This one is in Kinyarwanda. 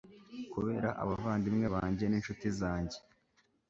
Kubera abavandimwe banjye n’incuti zanjye